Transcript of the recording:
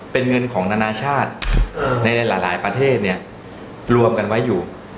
เป็นเงินของนานาชาติในหลายประเทศเนี่ยรวมกันไว้อยู่